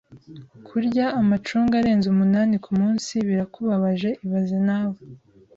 Kurya amacunga arenze umunani kumunsi birakubabaje ibaze nawe